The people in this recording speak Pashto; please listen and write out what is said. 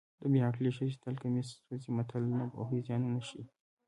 د بې عقلې ښځې تل کمیس سوځي متل د ناپوهۍ زیانونه ښيي